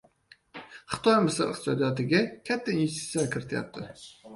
Xitoy Misr iqtisodiyotiga katta investitsiyalar kirityapti...